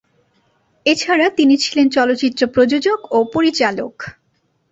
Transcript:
এছাড়া তিনি ছিলেন চলচ্চিত্র প্রযোজক ও পরিচালক।